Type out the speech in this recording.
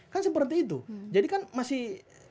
kan seperti itu jadi kan masih